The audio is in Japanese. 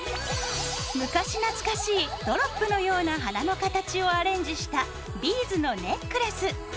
昔懐かしいドロップのような花の形をアレンジしたビーズのネックレス。